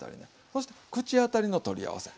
そして口当たりの取り合わせ。